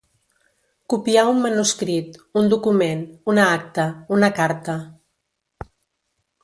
Copiar un manuscrit, un document, una acta, una carta.